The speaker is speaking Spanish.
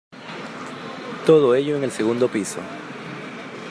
Todo ello en el segundo piso.